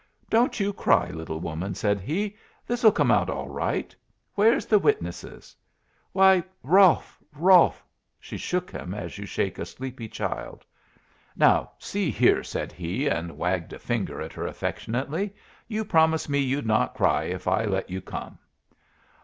"Don't you cry, little woman," said he; "this'll come out all right. Where 're the witnesses?" "Why, Rolfe! Rolfe!" She shook him as you shake a sleepy child. "Now see here," said he, and wagged a finger at her affectionately, "you promised me you'd not cry if I let you come."